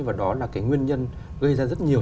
và đó là cái nguyên nhân gây ra rất nhiều